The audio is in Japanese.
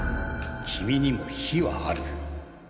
君にも否はある。